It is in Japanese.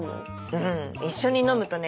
うん一緒に飲むとね